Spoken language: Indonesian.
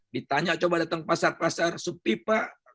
ditanya coba datang pasar pasar sepi pak